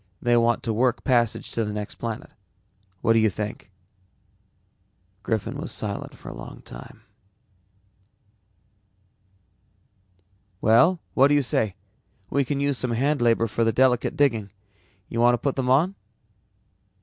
They want to work passage to the next planet. What do you think?" Griffin was silent for a long time. "Well, what do you say? We can use some hand labor for the delicate digging. Want to put them on?"